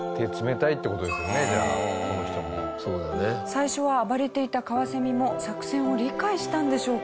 最初は暴れていたカワセミも作戦を理解したんでしょうか